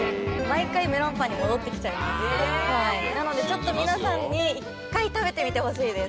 毎回メロンパンに戻ってきちゃいますなのでちょっと皆さんに一回食べてみてほしいです